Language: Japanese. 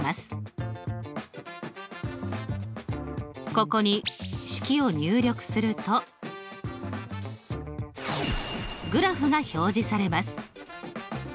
ここに式を入力するとグラフが表示されます。